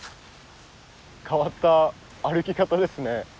変わった歩き方ですね。